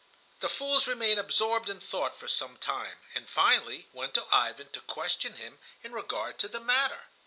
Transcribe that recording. The fools remained absorbed in thought for some time and finally went to Ivan to question him in regard to the matter.